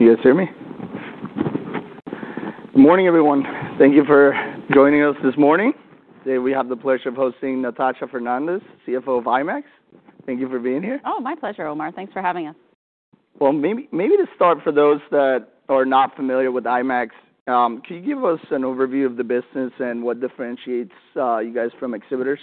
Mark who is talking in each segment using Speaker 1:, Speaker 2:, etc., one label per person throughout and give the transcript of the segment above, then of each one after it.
Speaker 1: You guys hear me? Good morning, everyone. Thank you for joining us this morning. Today we have the pleasure of hosting Natasha Fernandes, CFO of IMAX. Thank you for being here.
Speaker 2: Oh, my pleasure, Omar. Thanks for having us. Maybe, maybe to start, for those that are not familiar with IMAX, could you give us an overview of the business and what differentiates you guys from exhibitors?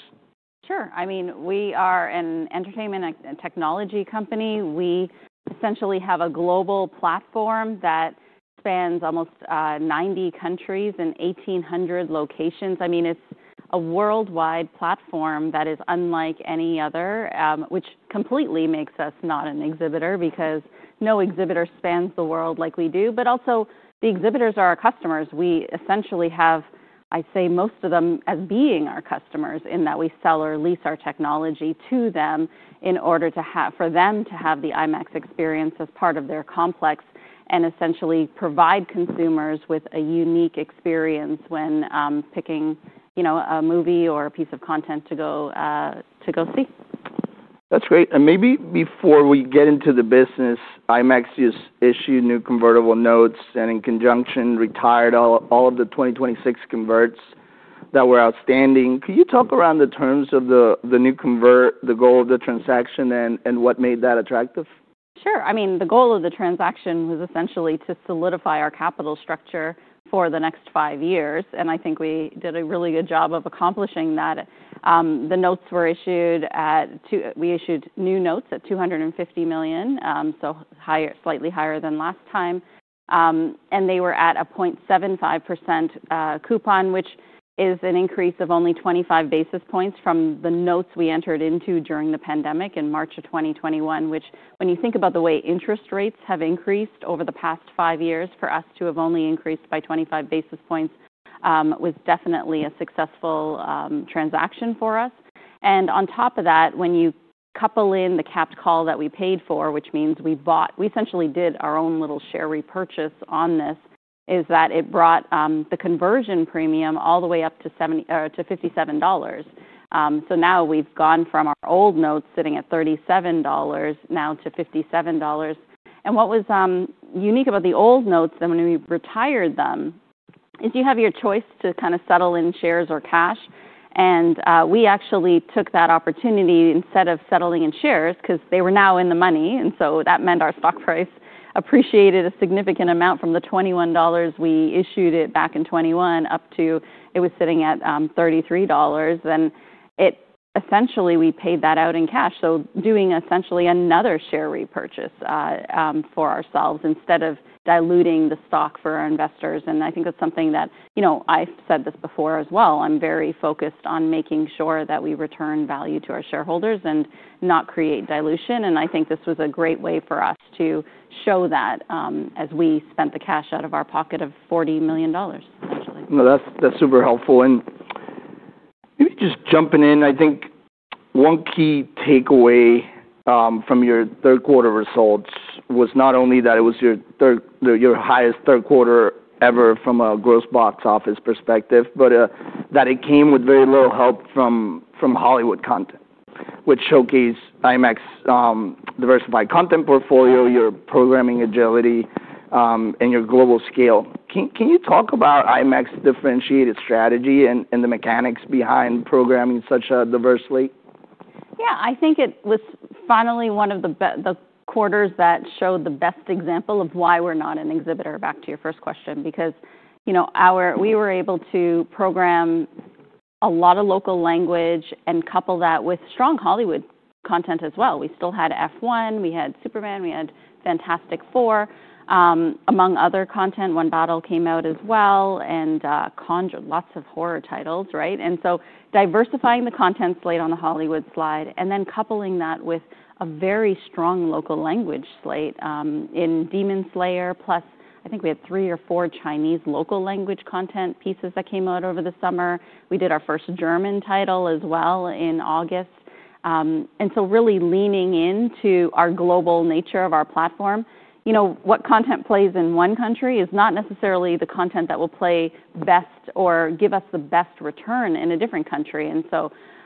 Speaker 2: Sure. I mean, we are an entertainment and technology company. We essentially have a global platform that spans almost 90 countries and 1,800 locations. I mean, it is a worldwide platform that is unlike any other, which completely makes us not an exhibitor because no exhibitor spans the world like we do. Also, the exhibitors are our customers. We essentially have, I'd say, most of them as being our customers in that we sell or lease our technology to them in order for them to have the IMAX experience as part of their complex and essentially provide consumers with a unique experience when picking, you know, a movie or a piece of content to go see. That's great. Maybe before we get into the business, IMAX just issued new convertible notes and, in conjunction, retired all of the 2026 converts that were outstanding. Could you talk around the terms of the new convert, the goal of the transaction, and what made that attractive? Sure. I mean, the goal of the transaction was essentially to solidify our capital structure for the next five years. I think we did a really good job of accomplishing that. The notes were issued at two, we issued new notes at $250 million, so higher, slightly higher than last time. They were at a 0.75% coupon, which is an increase of only 25 basis points from the notes we entered into during the pandemic in March of 2021, which, when you think about the way interest rates have increased over the past five years, for us to have only increased by 25 basis points, was definitely a successful transaction for us. On top of that, when you couple in the capped call that we paid for, which means we bought, we essentially did our own little share repurchase on this, it brought the conversion premium all the way up to $57. Now we've gone from our old notes sitting at $37-$57. What was unique about the old notes and when we retired them is you have your choice to kind of settle in shares or cash. We actually took that opportunity instead of settling in shares 'cause they were now in the money. That meant our stock price appreciated a significant amount from the $21 we issued it back in 2021 up to, it was sitting at $33. Essentially, we paid that out in cash. Doing essentially another share repurchase, for ourselves instead of diluting the stock for our investors. I think that's something that, you know, I've said this before as well. I'm very focused on making sure that we return value to our shareholders and not create dilution. I think this was a great way for us to show that, as we spent the cash out of our pocket of $40 million essentially. No, that's, that's super helpful. Maybe just jumping in, I think one key takeaway from your third-quarter results was not only that it was your highest third quarter ever from a gross box office perspective, but that it came with very little help from Hollywood content, which showcased IMAX, diversified content portfolio, your programming agility, and your global scale. Can you talk about IMAX's differentiated strategy and the mechanics behind programming such diversely? Yeah. I think it was finally one of the quarters that showed the best example of why we're not an exhibitor, back to your first question, because, you know, we were able to program a lot of local language and couple that with strong Hollywood content as well. We still had F1. We had Superman. We had Fantastic Four, among other content. One Battle came out as well and Conjured, lots of horror titles, right? Diversifying the content slate on the Hollywood side and then coupling that with a very strong local language slate, in Demon Slayer, plus I think we had three or four Chinese local language content pieces that came out over the summer. We did our first German title as well in August. Really leaning into our global nature of our platform. You know, what content plays in one country is not necessarily the content that will play best or give us the best return in a different country.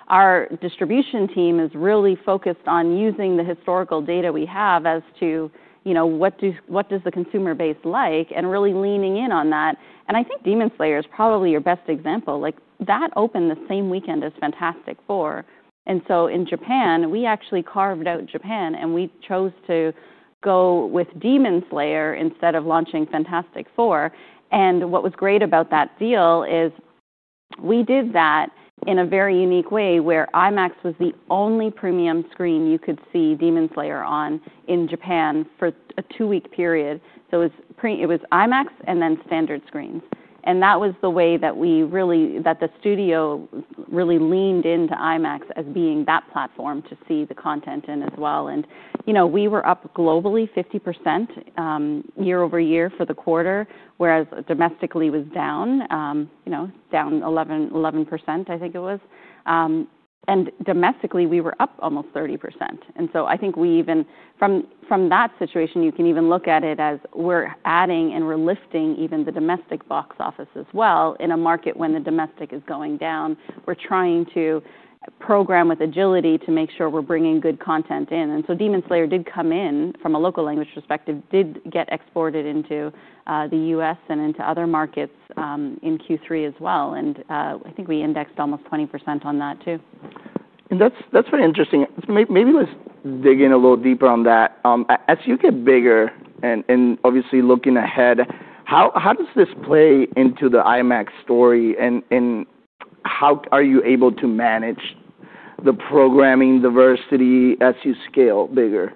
Speaker 2: Our distribution team is really focused on using the historical data we have as to, you know, what does the consumer base like and really leaning in on that. I think Demon Slayer is probably your best example. Like, that opened the same weekend as Fantastic Four. In Japan, we actually carved out Japan and we chose to go with Demon Slayer instead of launching Fantastic Four. What was great about that deal is we did that in a very unique way where IMAX was the only premium screen you could see Demon Slayer on in Japan for a two-week period. It was IMAX and then standard screens. That was the way that we really, that the studio really leaned into IMAX as being that platform to see the content in as well. You know, we were up globally 50% year-over-year for the quarter, whereas domestically was down, you know, down 11%, I think it was. Domestically we were up almost 30%. I think even from that situation, you can even look at it as we're adding and we're lifting even the domestic box office as well in a market when the domestic is going down. We're trying to program with agility to make sure we're bringing good content in. Demon Slayer did come in from a local language perspective, did get exported into the U.S. and into other markets in Q3 as well. I think we indexed almost 20% on that too. That's very interesting. Maybe let's dig in a little deeper on that. As you get bigger and obviously looking ahead, how does this play into the IMAX story and how are you able to manage the programming diversity as you scale bigger?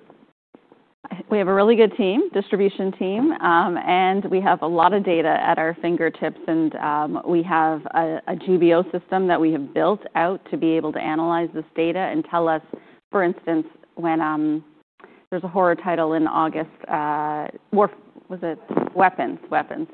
Speaker 2: We have a really good team, distribution team, and we have a lot of data at our fingertips. We have a Jubio system that we have built out to be able to analyze this data and tell us, for instance, when there's a horror title in August, Warf was it? Weapons, Weapons.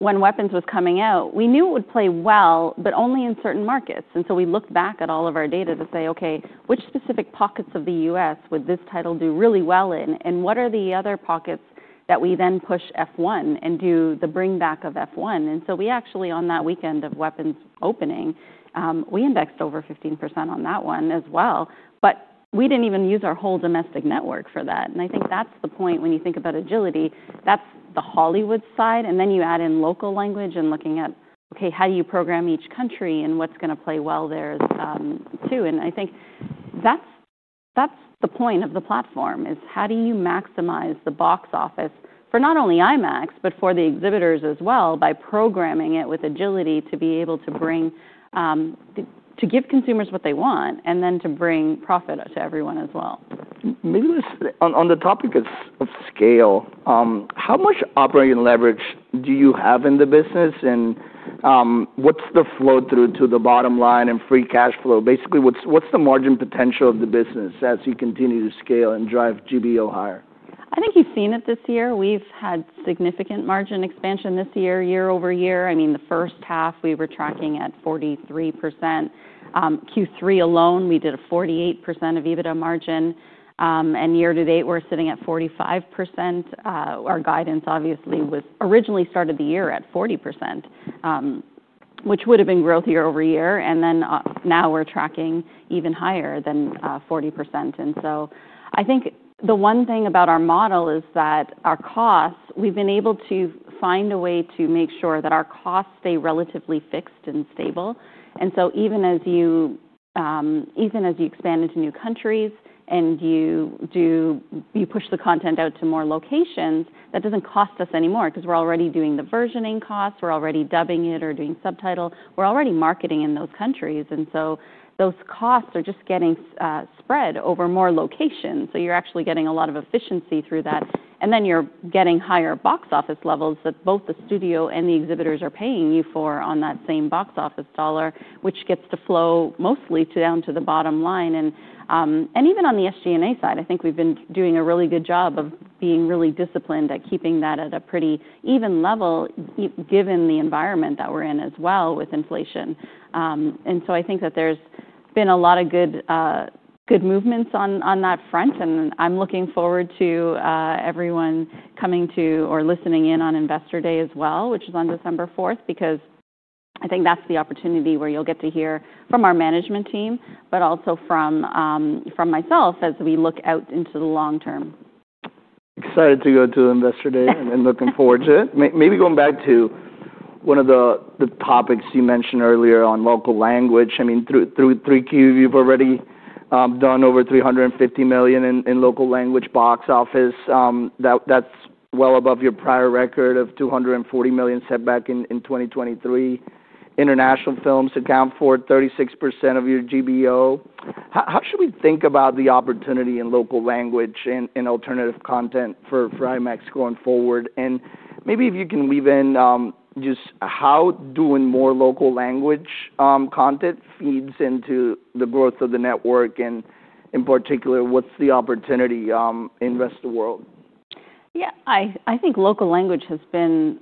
Speaker 2: When Weapons was coming out, we knew it would play well, but only in certain markets. We looked back at all of our data to say, okay, which specific pockets of the U.S. would this title do really well in? What are the other pockets that we then push F1 and do the bring back of F1? We actually, on that weekend of Weapons opening, indexed over 15% on that one as well. We didn't even use our whole domestic network for that. I think that's the point when you think about agility, that's the Hollywood side. Then you add in local language and looking at, okay, how do you program each country and what's gonna play well there as, too. I think that's the point of the platform, how do you maximize the box office for not only IMAX, but for the exhibitors as well by programming it with agility to be able to bring, to give consumers what they want and then to bring profit to everyone as well. Maybe let's, on the topic of scale, how much operating leverage do you have in the business, and what's the flow through to the bottom line and free cash flow? Basically, what's the margin potential of the business as you continue to scale and drive Jubio higher? I think you've seen it this year. We've had significant margin expansion this year, year-over-year. I mean, the first half we were tracking at 43%. Q3 alone, we did a 48% EBITDA margin. Year to date, we're sitting at 45%. Our guidance obviously was originally started the year at 40%, which would've been growth year-over-year. Now we're tracking even higher than 40%. I think the one thing about our model is that our costs, we've been able to find a way to make sure that our costs stay relatively fixed and stable. Even as you expand into new countries and you push the content out to more locations, that does not cost us anymore because we're already doing the versioning costs. We're already dubbing it or doing subtitle. We're already marketing in those countries. Those costs are just getting spread over more locations. You are actually getting a lot of efficiency through that. You are getting higher box office levels that both the studio and the exhibitors are paying you for on that same box office dollar, which gets to flow mostly down to the bottom line. Even on the SG&A side, I think we have been doing a really good job of being really disciplined at keeping that at a pretty even level given the environment that we are in as well with inflation. I think that there has been a lot of good movements on that front. I'm looking forward to everyone coming to or listening in on Investor Day as well, which is on December 4, because I think that's the opportunity where you'll get to hear from our management team, but also from myself as we look out into the long term. Excited to go to Investor Day and looking forward to it. Maybe going back to one of the topics you mentioned earlier on local language. I mean, through Q, you've already done over $350 million in local language box office. That's well above your prior record of $240 million set back in 2023. International films account for 36% of your Jubio. How should we think about the opportunity in local language and alternative content for IMAX going forward? Maybe if you can weave in just how doing more local language content feeds into the growth of the network and, in particular, what's the opportunity in the rest of the world? Yeah. I think local language has been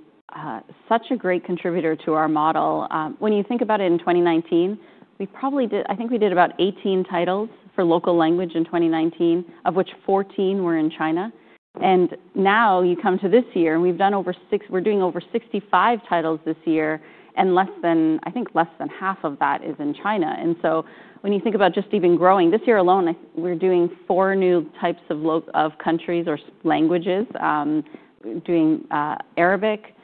Speaker 2: such a great contributor to our model. When you think about it in 2019, we probably did, I think we did about 18 titles for local language in 2019, of which 14 were in China. Now you come to this year and we've done over 65 titles this year and less than, I think less than half of that is in China. When you think about just even growing this year alone, I think we're doing four new types of countries or languages, doing Arabic.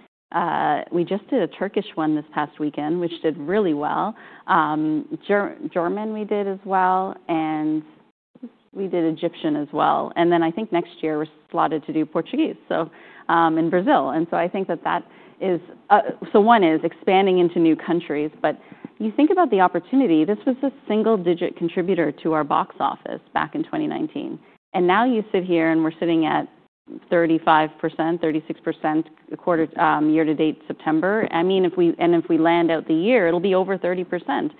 Speaker 2: We just did a Turkish one this past weekend, which did really well. German we did as well. We did Egyptian as well. I think next year we're slotted to do Portuguese, so, and Brazil. I think that is, one is expanding into new countries. You think about the opportunity, this was a single-digit contributor to our box office back in 2019. Now you sit here and we're sitting at 35%-36% quarter, year to date, September. I mean, if we land out the year, it'll be over 30%.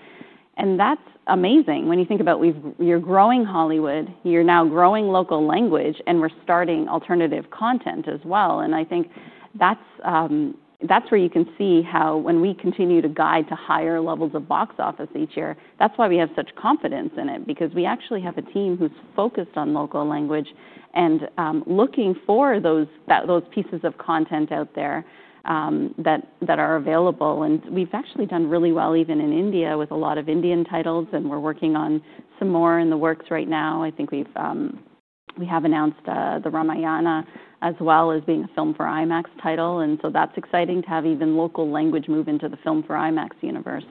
Speaker 2: That's amazing when you think about, you're growing Hollywood, you're now growing local language, and we're starting alternative content as well. I think that's where you can see how, when we continue to guide to higher levels of box office each year, that's why we have such confidence in it, because we actually have a team who's focused on local language and looking for those pieces of content out there that are available. We have actually done really well even in India with a lot of Indian titles. We are working on some more in the works right now. I think we have announced the Ramayana as well as being a Film for IMAX title. That is exciting to have even local language move into the Film for IMAX universe.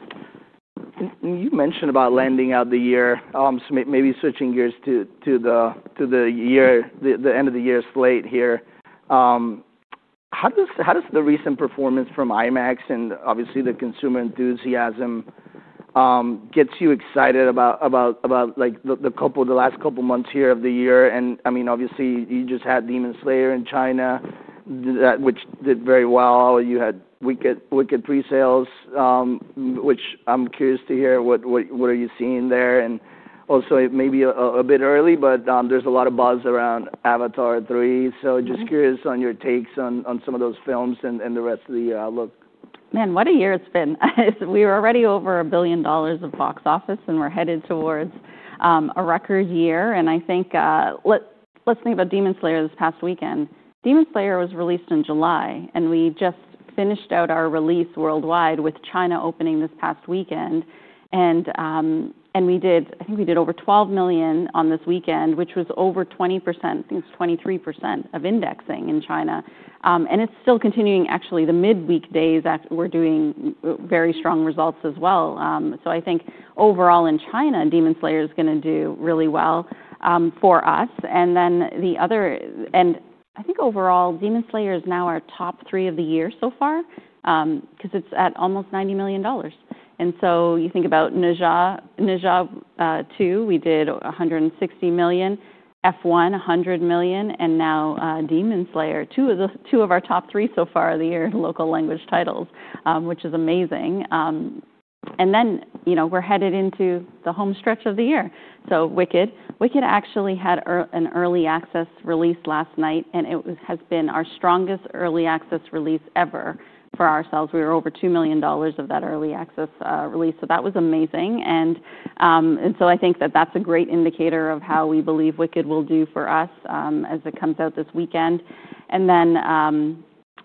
Speaker 2: You mentioned about landing out the year, so maybe switching gears to the year, the end of the year slate here. How does the recent performance from IMAX and obviously the consumer enthusiasm get you excited about the last couple months here of the year? I mean, obviously you just had Demon Slayer in China, which did very well. You had Wicked pre-sales, which I'm curious to hear what you are seeing there. Also, it may be a bit early, but there's a lot of buzz around Avatar 3. Just curious on your takes on some of those films and the rest of the outlook. Man, what a year it's been. We were already over a billion dollars of box office and we're headed towards a record year. I think, let's think about Demon Slayer this past weekend. Demon Slayer was released in July and we just finished out our release worldwide with China opening this past weekend. We did, I think we did over $12 million on this weekend, which was over 20%, I think it was 23% of indexing in China. It's still continuing actually, the midweek days after we're doing very strong results as well. I think overall in China, Demon Slayer is gonna do really well for us. I think overall Demon Slayer is now our top three of the year so far, 'cause it's at almost $90 million. You think about Ninja 2, we did $160 million, F1, $100 million, and now Demon Slayer, two of our top three so far of the year in local language titles, which is amazing. You know, we're headed into the home stretch of the year. Wicked actually had an early access release last night and it has been our strongest early access release ever for ourselves. We were over $2 million of that early access release. That was amazing. I think that that's a great indicator of how we believe Wicked will do for us as it comes out this weekend.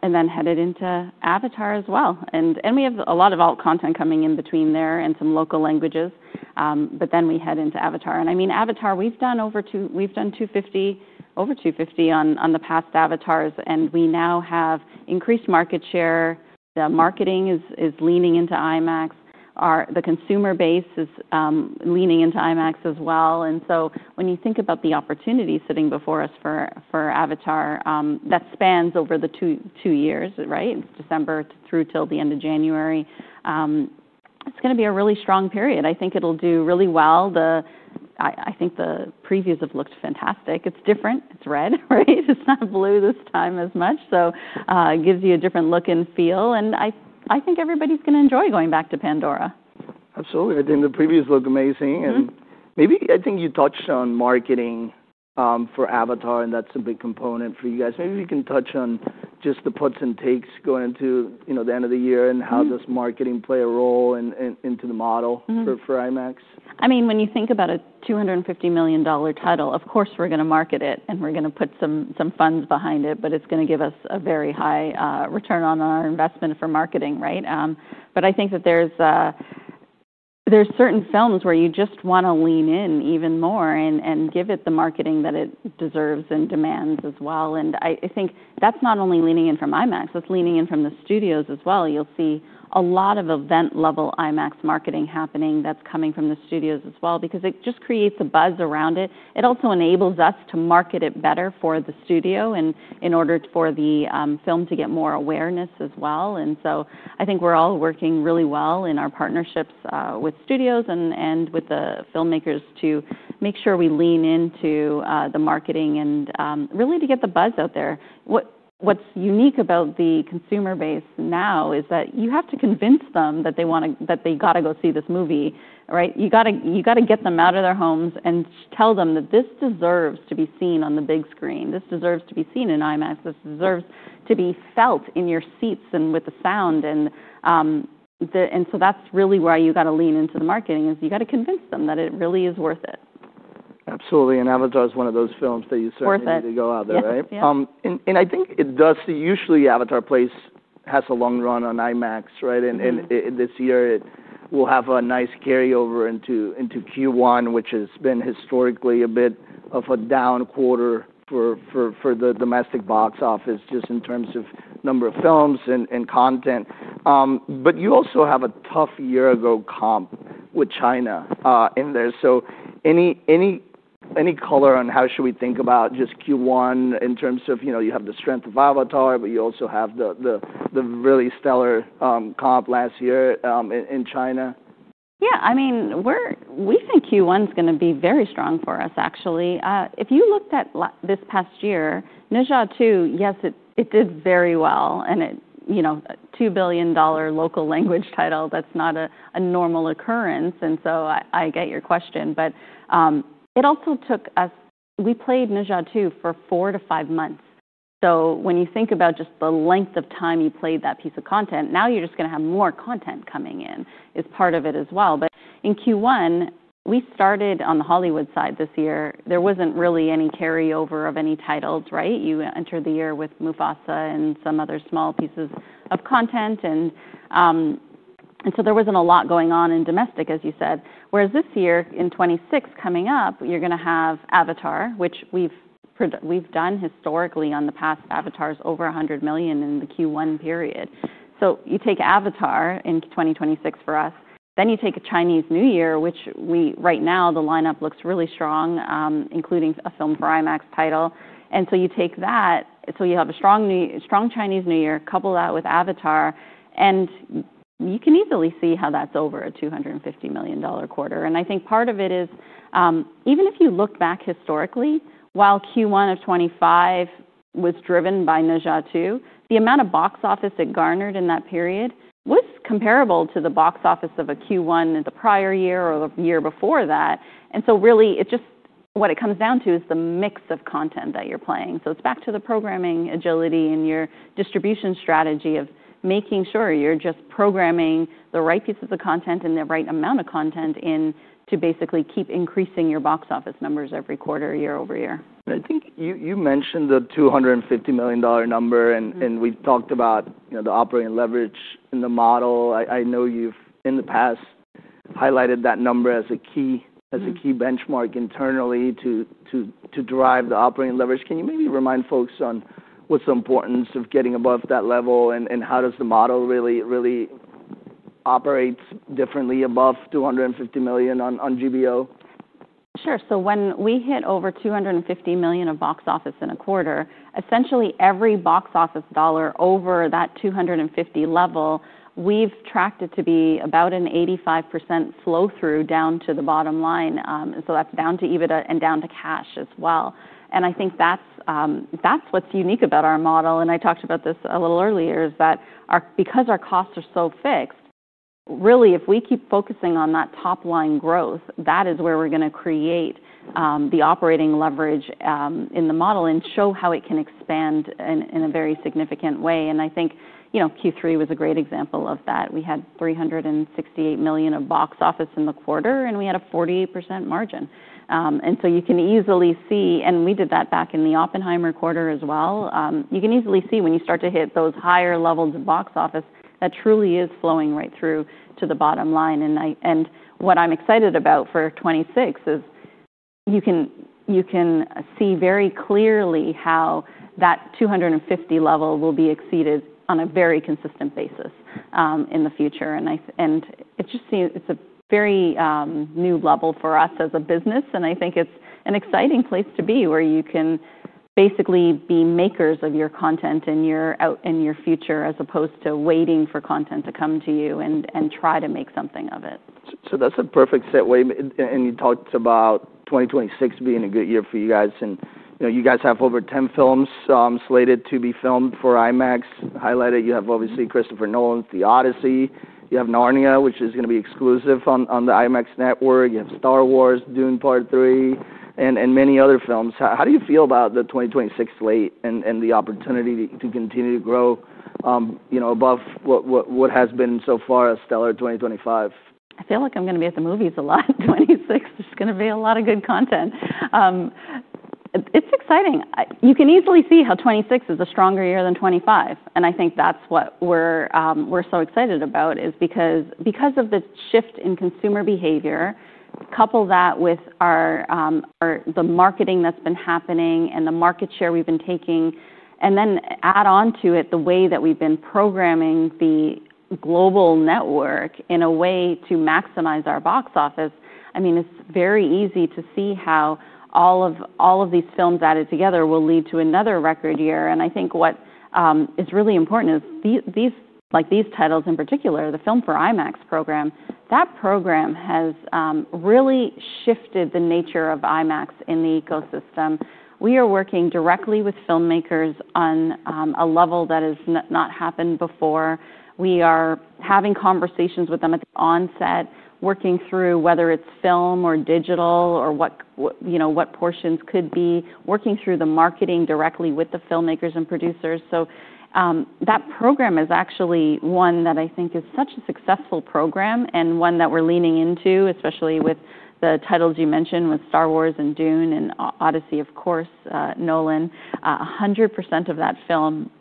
Speaker 2: Then headed into Avatar as well. We have a lot of alt content coming in between there and some local languages, but then we head into Avatar. I mean, Avatar, we've done over $250 million on the past Avatars. We now have increased market share. The marketing is leaning into IMAX. Our consumer base is leaning into IMAX as well. When you think about the opportunity sitting before us for Avatar, that spans over the two years, right? December through till the end of January. It's gonna be a really strong period. I think it'll do really well. I think the previews have looked fantastic. It's different, it's red, right? It's not blue this time as much. It gives you a different look and feel. I think everybody's gonna enjoy going back to Pandora. Absolutely. I think the previews look amazing. I think you touched on marketing for Avatar and that's a big component for you guys. Maybe if you can touch on just the puts and takes going into, you know, the end of the year and how does marketing play a role in, in, into the model for IMAX. I mean, when you think about a $250 million title, of course we're gonna market it and we're gonna put some funds behind it, but it's gonna give us a very high return on our investment for marketing, right? I think that there's certain films where you just wanna lean in even more and give it the marketing that it deserves and demands as well. I think that's not only leaning in from IMAX, that's leaning in from the studios as well. You'll see a lot of event-level IMAX marketing happening that's coming from the studios as well, because it just creates a buzz around it. It also enables us to market it better for the studio and in order for the film to get more awareness as well. I think we're all working really well in our partnerships, with studios and with the filmmakers to make sure we lean into the marketing and really to get the buzz out there. What's unique about the consumer base now is that you have to convince them that they wanna, that they gotta go see this movie, right? You gotta get them out of their homes and tell them that this deserves to be seen on the big screen. This deserves to be seen in IMAX. This deserves to be felt in your seats and with the sound, and that's really why you gotta lean into the marketing is you gotta convince them that it really is worth it. Absolutely. Avatar is one of those films that you certainly need to go out there, right? Worth it. Yeah. I think it does. Usually Avatar has a long run on IMAX, right? This year it will have a nice carryover into Q1, which has been historically a bit of a down quarter for the domestic box office just in terms of number of films and content. You also have a tough year ago comp with China in there. Any color on how should we think about just Q1 in terms of, you know, you have the strength of Avatar, but you also have the really stellar comp last year in China? Yeah. I mean, we think Q1's gonna be very strong for us actually. If you looked at this past year, Ninja 2, yes, it did very well and it, you know, $2 billion local language title, that's not a normal occurrence. I get your question, but it also took us, we played Ninja 2 for four to five months. When you think about just the length of time you played that piece of content, now you're just gonna have more content coming in is part of it as well. In Q1, we started on the Hollywood side this year. There wasn't really any carryover of any titles, right? You entered the year with Mufasa and some other small pieces of content. There wasn't a lot going on in domestic, as you said. Whereas this year in 2026 coming up, you're gonna have Avatar, which we've pro, we've done historically on the past Avatars over $100 million in the Q1 period. You take Avatar in 2026 for us, then you take a Chinese New Year, which we right now the lineup looks really strong, including a Film for IMAX title. You take that, you have a strong Chinese New Year, couple that with Avatar, and you can easily see how that's over a $250 million quarter. I think part of it is, even if you look back historically, while Q1 of 2025 was driven by Ninja 2, the amount of box office it garnered in that period was comparable to the box office of a Q1 in the prior year or the year before that. It just, what it comes down to is the mix of content that you're playing. It is back to the programming agility and your distribution strategy of making sure you're just programming the right pieces of content and the right amount of content in to basically keep increasing your box office numbers every quarter, year-over-year. I think you mentioned the $250 million number and we talked about, you know, the operating leverage in the model. I know you've in the past highlighted that number as a key benchmark internally to drive the operating leverage. Can you maybe remind folks on what's the importance of getting above that level and how does the model really operates differently above $250 million on Jubio? Sure. When we hit over $250 million of box office in a quarter, essentially every box office dollar over that $250 million level, we've tracked it to be about an 85% flow through down to the bottom line. That is down to EBITDA and down to cash as well. I think that's what's unique about our model. I talked about this a little earlier, because our costs are so fixed, really if we keep focusing on that top line growth, that is where we're gonna create the operating leverage in the model and show how it can expand in a very significant way. I think, you know, Q3 was a great example of that. We had $368 million of box office in the quarter and we had a 48% margin. You can easily see, and we did that back in the Oppenheimer quarter as well. You can easily see when you start to hit those higher levels of box office, that truly is flowing right through to the bottom line. What I'm excited about for 2026 is you can see very clearly how that $250 million level will be exceeded on a very consistent basis in the future. It just seems, it's a very new level for us as a business. I think it's an exciting place to be where you can basically be makers of your content in your out, in your future, as opposed to waiting for content to come to you and try to make something of it. That's a perfect segue. You talked about 2026 being a good year for you guys. You guys have over 10 films slated to be filmed for IMAX. Highlighted, you have obviously Christopher Nolan's The Odyssey. You have Narnia, which is gonna be exclusive on the IMAX Network. You have Star Wars, Dune Part 3, and many other films. How do you feel about the 2026 slate and the opportunity to continue to grow, you know, above what has been so far a stellar 2025? I feel like I'm gonna be at the movies a lot in 2026. There's gonna be a lot of good content. It's exciting. You can easily see how 2026 is a stronger year than 2025. I think that's what we're so excited about is because of the shift in consumer behavior, couple that with our marketing that's been happening and the market share we've been taking, and then add onto it the way that we've been programming the global network in a way to maximize our box office. I mean, it's very easy to see how all of these films added together will lead to another record year. I think what is really important is these, like these titles in particular, the Film for IMAX program, that program has really shifted the nature of IMAX in the ecosystem. We are working directly with filmmakers on a level that has not happened before. We are having conversations with them at the onset, working through whether it's film or digital or what, you know, what portions could be, working through the marketing directly with the filmmakers and producers. That program is actually one that I think is such a successful program and one that we're leaning into, especially with the titles you mentioned with Star Wars and Dune and The Odyssey, of course, Nolan. One hundred percent of that film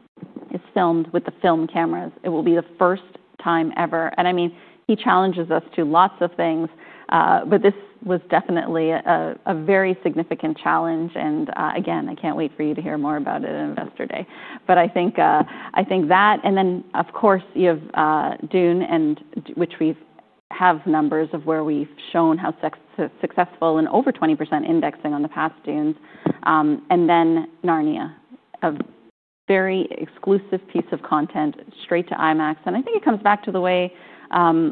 Speaker 2: is filmed with the film cameras. It will be the first time ever. I mean, he challenges us to lots of things, but this was definitely a very significant challenge. Again, I can't wait for you to hear more about it in investor day. I think that, and then of course you have Dune, and we've had numbers of where we've shown how successful and over 20% indexing on the past Dunes. Then Narnia, a very exclusive piece of content straight to IMAX. I think it comes back to the way,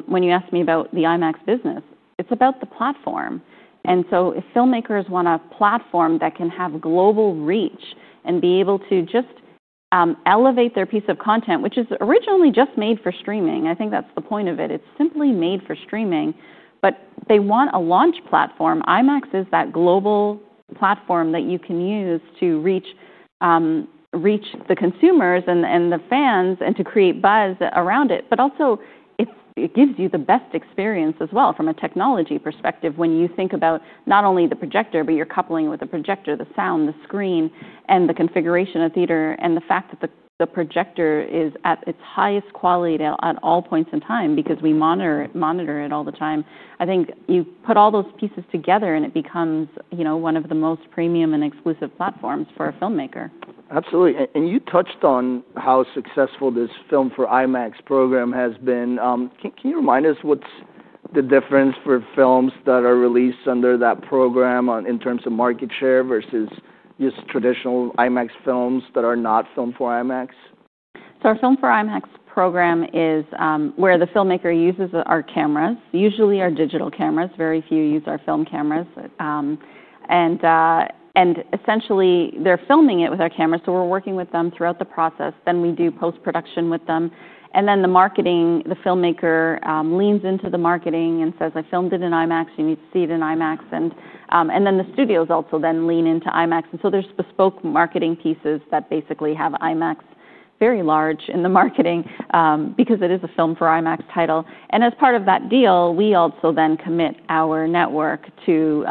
Speaker 2: when you asked me about the IMAX business, it's about the platform. If filmmakers want a platform that can have global reach and be able to just elevate their piece of content, which is originally just made for streaming, I think that's the point of it. It's simply made for streaming, but they want a launch platform. IMAX is that global platform that you can use to reach the consumers and the fans and to create buzz around it. It gives you the best experience as well from a technology perspective when you think about not only the projector, but you're coupling with the projector, the sound, the screen, and the configuration of theater and the fact that the projector is at its highest quality at all points in time because we monitor it all the time. I think you put all those pieces together and it becomes, you know, one of the most premium and exclusive platforms for a filmmaker. Absolutely. You touched on how successful this Filmed For IMAX program has been. Can you remind us what's the difference for films that are released under that program in terms of market share versus just traditional IMAX films that are not Filmed For IMAX? Our film for IMAX program is, where the filmmaker uses our cameras, usually our digital cameras. Very few use our film cameras. Essentially, they're filming it with our cameras. We are working with them throughout the process. Then we do post-production with them. The marketing, the filmmaker leans into the marketing and says, I filmed it in IMAX. You need to see it in IMAX. The studios also then lean into IMAX. There are bespoke marketing pieces that basically have IMAX very large in the marketing, because it is a film for IMAX title. As part of that deal, we also then commit our network to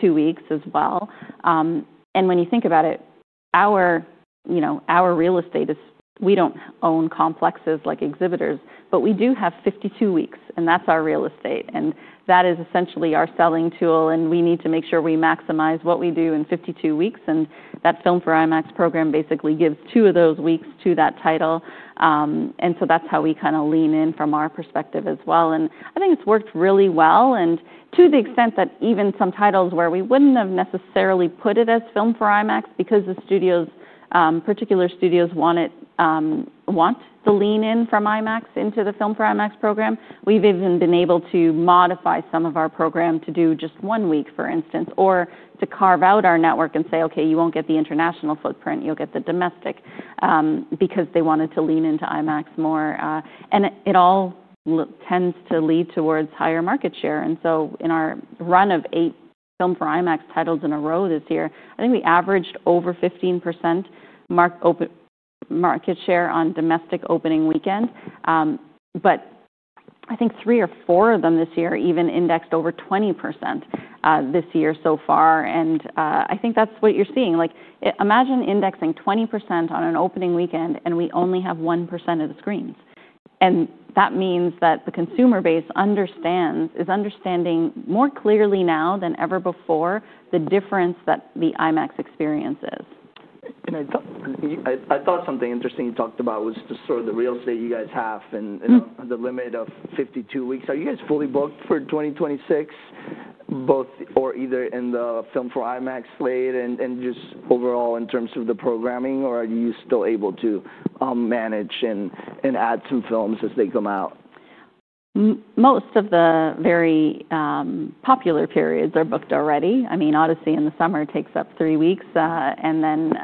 Speaker 2: two weeks as well. When you think about it, our, you know, our real estate is, we do not own complexes like exhibitors, but we do have 52 weeks and that is our real estate. That is essentially our selling tool. We need to make sure we maximize what we do in 52 weeks. That Film for IMAX program basically gives two of those weeks to that title. That is how we kind of lean in from our perspective as well. I think it has worked really well. To the extent that even some titles where we would not have necessarily put it as Film for IMAX because the studios, particular studios want it, want to lean in from IMAX into the Film for IMAX program. We've even been able to modify some of our program to do just one week, for instance, or to carve out our network and say, okay, you won't get the international footprint, you'll get the domestic, because they wanted to lean into IMAX more. It all tends to lead towards higher market share. In our run of eight Filmed For IMAX titles in a row this year, I think we averaged over 15% market share on domestic opening weekend. I think three or four of them this year even indexed over 20% this year so far. I think that's what you're seeing. Like imagine indexing 20% on an opening weekend and we only have 1% of the screens. That means that the consumer base understands, is understanding more clearly now than ever before the difference that The IMAX Experience is. I thought something interesting you talked about was just sort of the real estate you guys have and the limit of 52 weeks. Are you guys fully booked for 2026, both or either in the Film for IMAX slate and just overall in terms of the programming, or are you still able to manage and add some films as they come out? Most of the very, popular periods are booked already. I mean, The Odyssey in the summer takes up three weeks, and then,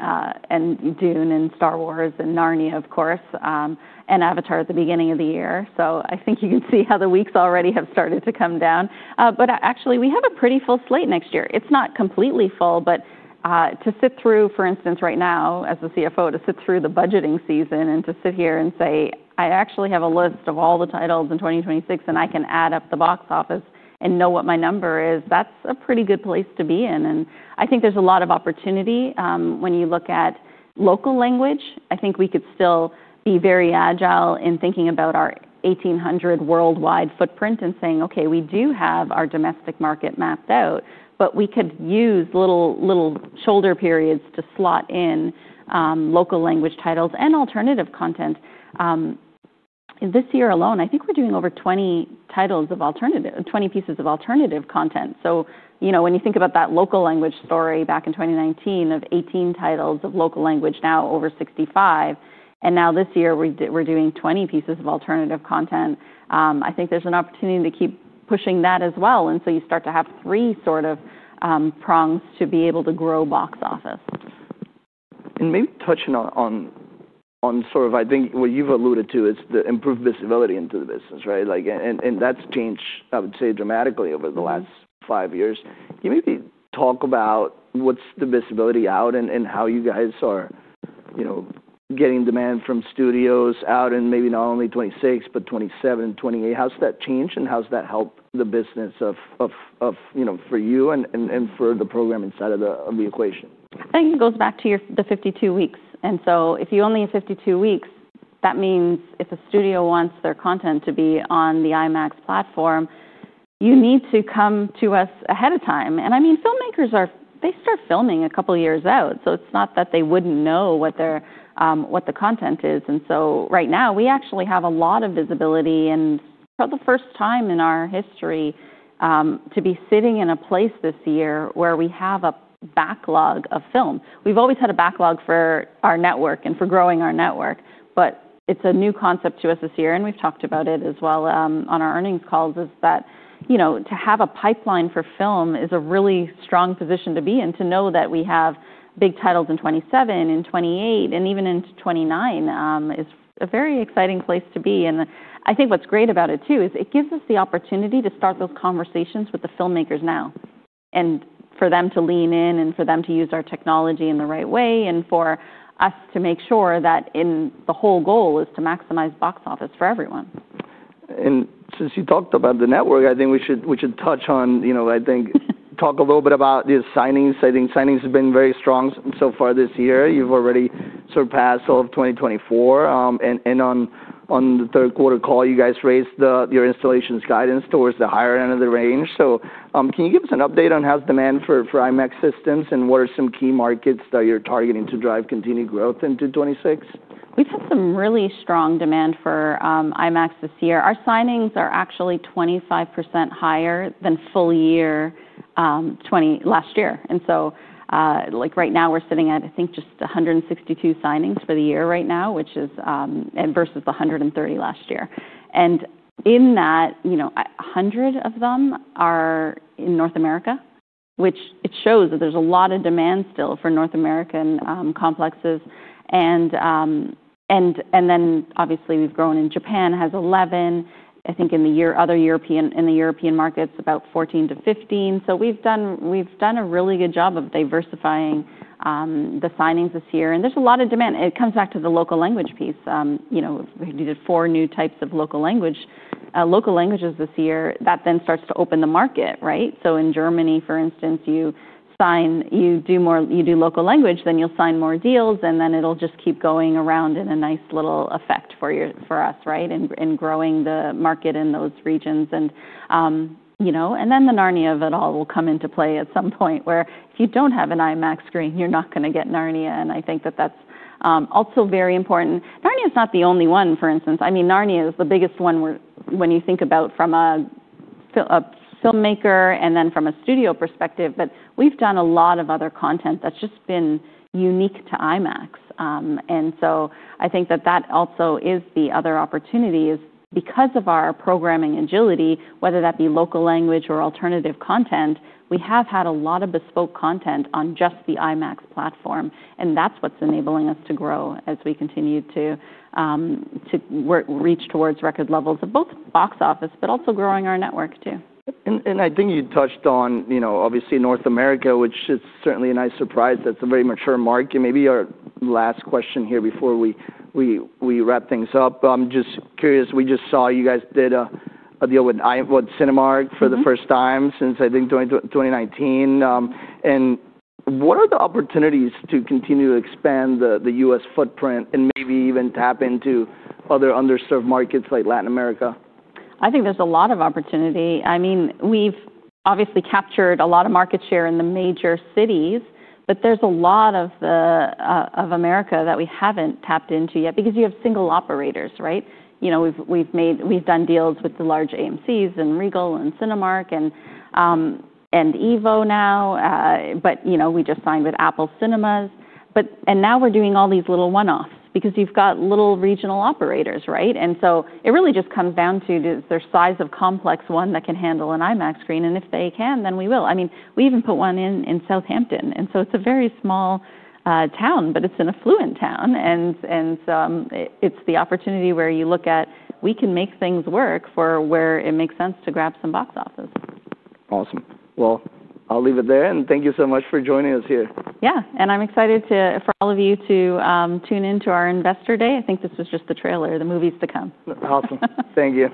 Speaker 2: and Dune and Star Wars and Narnia, of course, and Avatar at the beginning of the year. I think you can see how the weeks already have started to come down. but actually we have a pretty full slate next year. It's not completely full, but, to sit through, for instance, right now as the CFO, to sit through the budgeting season and to sit here and say, I actually have a list of all the titles in 2026 and I can add up the box office and know what my number is, that's a pretty good place to be in. I think there's a lot of opportunity, when you look at local language. I think we could still be very agile in thinking about our 1,800 worldwide footprint and saying, okay, we do have our domestic market mapped out, but we could use little, little shoulder periods to slot in, local language titles and alternative content. This year alone, I think we're doing over 20 titles of alternative, 20 pieces of alternative content. You know, when you think about that local language story back in 2019 of 18 titles of local language, now over 65, and now this year we're doing 20 pieces of alternative content. I think there's an opportunity to keep pushing that as well. You start to have three sort of prongs to be able to grow box office. Maybe touching on, on sort of, I think what you've alluded to is the improved visibility into the business, right? Like, and that's changed, I would say, dramatically over the last five years. Can you maybe talk about what's the visibility out and how you guys are, you know, getting demand from studios out and maybe not only 2026, but 2027, 2028? How's that change and how's that help the business of, you know, for you and for the programming side of the equation? I think it goes back to your, the 52 weeks. If you only have 52 weeks, that means if a studio wants their content to be on the IMAX platform, you need to come to us ahead of time. I mean, filmmakers are, they start filming a couple of years out. It is not that they would not know what their, what the content is. Right now we actually have a lot of visibility and for the first time in our history, to be sitting in a place this year where we have a backlog of film. We have always had a backlog for our network and for growing our network, but it is a new concept to us this year. We have talked about it as well, on our earnings calls, that to have a pipeline for film is a really strong position to be in, to know that we have big titles in 2027, in 2028, and even in 2029, is a very exciting place to be. I think what is great about it too is it gives us the opportunity to start those conversations with the filmmakers now and for them to lean in and for them to use our technology in the right way and for us to make sure that the whole goal is to maximize box office for everyone. Since you talked about the network, I think we should touch on, you know, talk a little bit about the signings. I think signings have been very strong so far this year. You've already surpassed all of 2024. On the third quarter call, you guys raised your installations guidance towards the higher end of the range. Can you give us an update on how's demand for IMAX systems and what are some key markets that you're targeting to drive continued growth into 2026? We've had some really strong demand for IMAX this year. Our signings are actually 25% higher than full year 2023 last year. Right now we're sitting at, I think, just 162 signings for the year right now, which is versus the 130 last year. In that, you know, 100 of them are in North America, which shows that there's a lot of demand still for North American complexes. Obviously we've grown in Japan, has 11, I think, in the year. Other European, in the European markets, about 14-15. We've done a really good job of diversifying the signings this year. There's a lot of demand. It comes back to the local language piece. You know, we did four new types of local language, local languages this year that then starts to open the market, right? In Germany, for instance, you sign, you do more, you do local language, then you'll sign more deals and then it'll just keep going around in a nice little effect for us, right? Growing the market in those regions. You know, and then the Narnia of it all will come into play at some point where if you don't have an IMAX screen, you're not gonna get Narnia. I think that that's also very important. Narnia's not the only one, for instance. I mean, Narnia is the biggest one when you think about from a filmmaker and then from a studio perspective, but we've done a lot of other content that's just been unique to IMAX. I think that that also is the other opportunity, because of our programming agility, whether that be local language or alternative content. We have had a lot of bespoke content on just the IMAX platform. That is what is enabling us to grow as we continue to work, reach towards record levels of both box office, but also growing our network too. I think you touched on, you know, obviously North America, which is certainly a nice surprise. That's a very mature market. Maybe our last question here before we wrap things up. I'm just curious, we just saw you guys did a deal with IMAX, what, Cinemark for the first time since I think 2019. What are the opportunities to continue to expand the U.S. footprint and maybe even tap into other underserved markets like Latin America? I think there's a lot of opportunity. I mean, we've obviously captured a lot of market share in the major cities, but there's a lot of America that we haven't tapped into yet because you have single operators, right? You know, we've done deals with the large AMC and Regal and Cinemark and Evo now, but you know, we just signed with Apple Cinemas. Now we're doing all these little one-offs because you've got little regional operators, right? It really just comes down to their size of complex, one that can handle an IMAX screen. If they can, then we will. I mean, we even put one in Southampton. It's a very small town, but it's an affluent town. It's the opportunity where you look at, we can make things work for where it makes sense to grab some box office. Awesome. I'll leave it there and thank you so much for joining us here. Yeah. I'm excited for all of you to tune into our investor day. I think this was just the trailer, the movies to come. Awesome. Thank you.